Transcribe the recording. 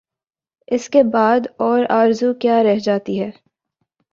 اس کے بعد اور آرزو کیا رہ جاتی ہے؟